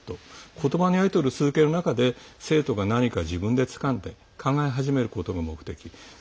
言葉のやり取りを続ける中で生徒が何か自分でつかんで考え始めることが目的。